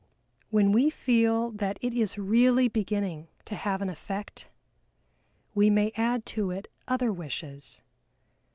When we feel that it is really beginning to have an effect, we may add to it other wishes.